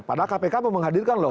padahal kpk mau menghadirkan loh